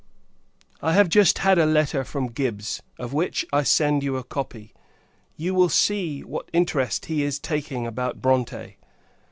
I have just had a letter from Gibbs, of which I send you a copy. You see what interest he is taking about Bronte.